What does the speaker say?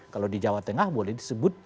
kalau di jawa tengah boleh disebut